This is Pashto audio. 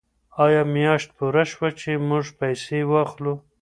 آیا میاشت پوره شوه چې موږ پیسې واخلو؟